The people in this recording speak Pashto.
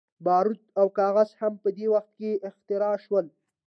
باروت او کاغذ هم په دې وخت کې اختراع شول.